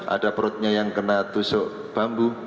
ada perutnya yang kena tusuk bambu